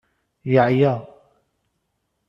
Yeɛya.